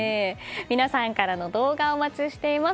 皆さんからの動画お待ちしてます。